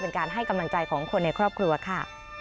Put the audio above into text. เป็นการให้กำลังใจของคนในครอบครัวค่ะ